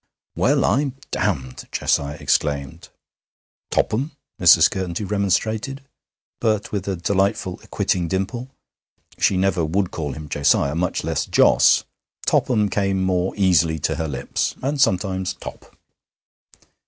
'Well, I'm damned!' Josiah exclaimed. 'Topham!' Mrs. Curtenty remonstrated, but with a delightful acquitting dimple. She never would call him Josiah, much less Jos. Topham came more easily to her lips, and sometimes Top.